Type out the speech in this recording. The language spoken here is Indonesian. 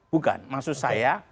bukan maksud saya